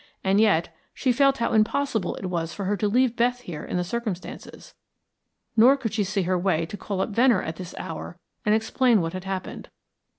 And yet, she felt how impossible it was for her to leave Beth here in the circumstances. Nor could she see her way to call up Venner at this hour and explain what had happened.